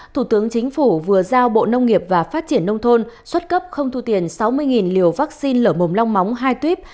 thủ tướng chính phủ vừa giao bộ nông nghiệp và phát triển nông thôn xuất cấp không thu tiền sáu mươi liều vaccine lở mồm long móng hai tuyếp